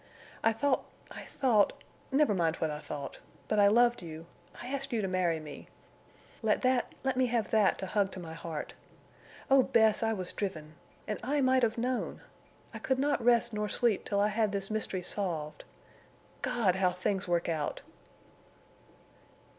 I thought—I thought—never mind what I thought—but I loved you—I asked you to marry me. Let that—let me have that to hug to my heart. Oh, Bess, I was driven! And I might have known! I could not rest nor sleep till I had this mystery solved. God! how things work out!"